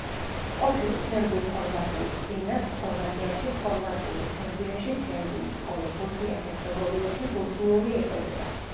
ყოფილ სერბულ-ხორვატულ ენას ხორვატიაში ხორვატული, სერბიაში სერბული, ხოლო ბოსნია-ჰერცეგოვინაში ბოსნიური ეწოდება.